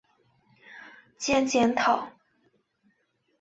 兼检讨。